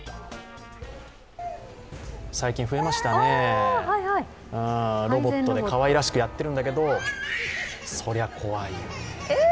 最近増えましたね、ロボットでかわいらしくやってるんだけどそりゃ、怖い。